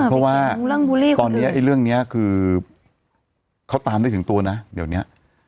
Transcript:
เพราะว่าตอนนี้เรื่องนี้คือเขาตามได้ถึงตัวนะเดี๋ยวนี้